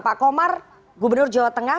pak komar gubernur jawa tengah